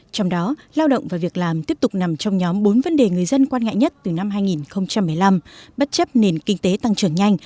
trong đó lao động và việc làm tiếp tục nằm trong nhóm bốn vấn đề người dân quan ngại nhất từ năm hai nghìn một mươi năm